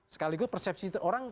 sekaligus persepsi orang